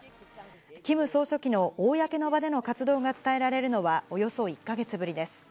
キム総書記の公の場での活動が伝えられるのはおよそ１か月ぶりです。